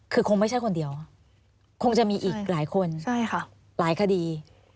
คือคงไม่ใช่คนเดียวคงจะมีอีกหลายคนหลายคดี